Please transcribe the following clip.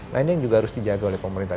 nah ini yang juga harus dijaga oleh pemerintah